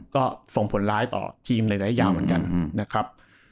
ก็ส่งผลร้ายต่อทีมในระยะยาวเหมือนกันนะครับ